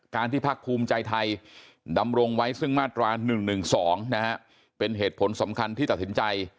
การที่ภาคภูมิใจไทยดำรวงไว้ซึ่งมารรสราน๑๑๒เป็นเหตุผลสำคัญที่ตัดสินใจ